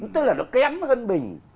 tức là nó kém hơn mình